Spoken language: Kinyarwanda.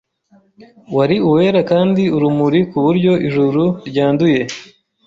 wari uwera kandi urumuri kuburyo Ijuru ryanduye